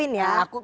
yang diakuin ya